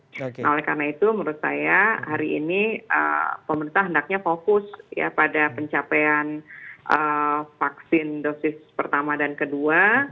nah oleh karena itu menurut saya hari ini pemerintah hendaknya fokus pada pencapaian vaksin dosis pertama dan kedua